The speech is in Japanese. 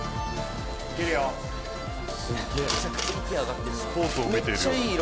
めちゃくちゃ息上がってるな。